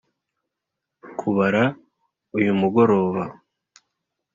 kubara uyu mugoroba